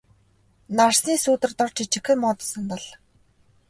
Нарсны сүүдэр дор жижигхэн модон сандал.